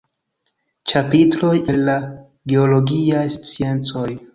Ĉapitroj el la geologiaj sciencoj".